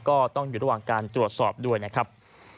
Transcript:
ก็ต้องอยู่ระหว่างการตรวจสอบด้วยนะครับ